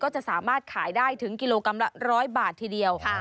จะสามารถขายได้ถึงกิโลกรัมละ๑๐๐บาททีเดียว